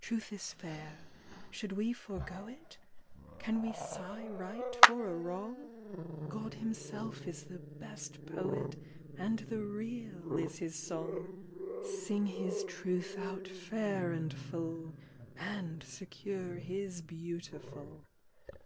Truth is fair; should we forego it? Can we sigh right for a wrong ? God Himself is the best Poet, And the Real is His song. Sing His Truth out fair and full, And secure His beautiful.